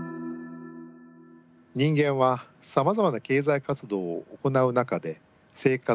人間はさまざまな経済活動を行う中で生活をしています。